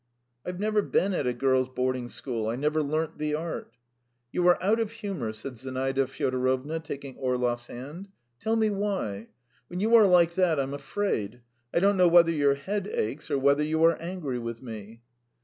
"I've never been at a girls' boarding school; I never learnt the art." "You are out of humour?" said Zinaida Fyodorovna, taking Orlov's hand. "Tell me why. When you are like that, I'm afraid. I don't know whether your head aches or whether you are angry with me.